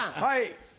はい。